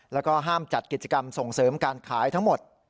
แล้วก็ห้ามจัดกิจกรรมส่งเสริมการขายทั้งหมด